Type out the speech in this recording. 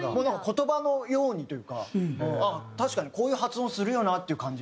言葉のようにというか確かにこういう発音するよなっていう感じで。